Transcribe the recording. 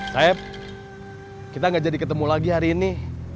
saif kita nggak jadi ketemu lagi hari ini